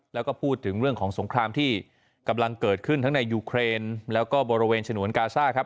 แล้วก็พูดถึงเรื่องของสงครามที่กำลังเกิดขึ้นทั้งในยูเครนแล้วก็บริเวณฉนวนกาซ่าครับ